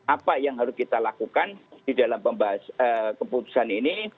apa yang harus kita lakukan di dalam keputusan ini